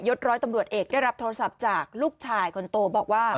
ร้อยตำรวจเอกได้รับโทรศัพท์จากลูกชายคนโตบอกว่า